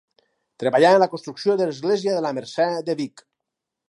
Treballà en la construcció de l’església de la Mercè de Vic.